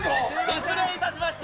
失礼いたしました。